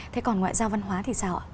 thế còn ngoại giao văn hóa thì sao ạ